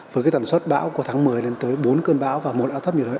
với tần suất bão của tháng một mươi đến tới bốn cơn bão vào mùa lão thấp nhiều đời